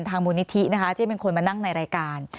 มูลนิธินะคะที่เป็นคนมานั่งในรายการ